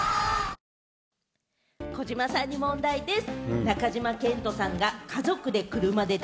わぁ児嶋さんに問題です。